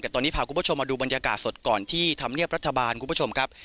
แต่ตอนนี้พาคุณผู้ชมมาดูบรรยากาศสดก่อนที่ธรรมเนียบรัฐบาลคุณผู้ชมครับ